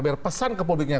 biar pesan ke publiknya